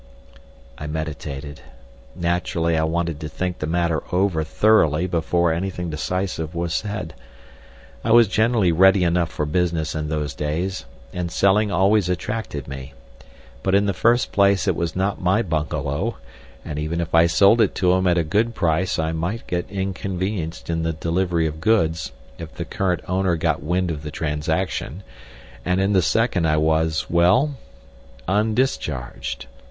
I meditated. Naturally, I wanted to think the matter over thoroughly before anything decisive was said. I was generally ready enough for business in those days, and selling always attracted me; but in the first place it was not my bungalow, and even if I sold it to him at a good price I might get inconvenienced in the delivery of goods if the current owner got wind of the transaction, and in the second I was, well—undischarged.